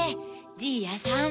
じいやさん。